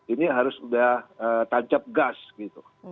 ini harus sudah tancap gas gitu